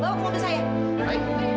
bawa ke rumah saya